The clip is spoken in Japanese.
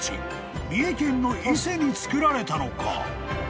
三重県の伊勢に造られたのか？］